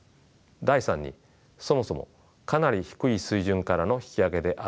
第３にそもそもかなり低い水準からの引き上げであったという事情もあります。